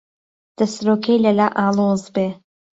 دهسرۆکهی له لا ئاڵۆز بێ